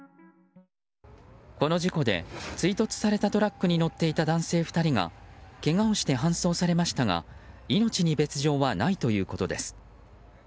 この事故で追突されたトラックに乗っていた男性２人がけがをして搬送されましたが命に別条はないということです。